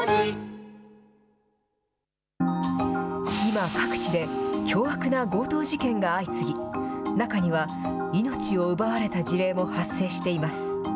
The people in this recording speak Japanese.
今、各地で凶悪な強盗事件が相次ぎ、中には、命を奪われた事例も発生しています。